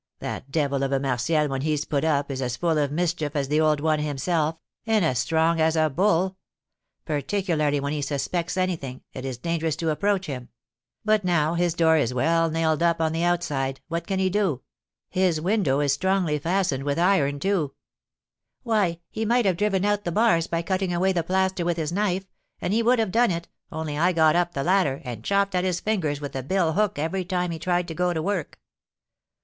That devil of a Martial, when he's put up, is as full of mischief as the old one himself, and as strong as a bull; particularly when he suspects anything, it is dangerous to approach him; but, now his door is well nailed up on the outside, what can he do? His window is strongly fastened with iron, too." "Why, he might have driven out the bars by cutting away the plaster with his knife, and he would have done it, only I got up the ladder, and chopped at his fingers with the bill hook every time he tried to go to work."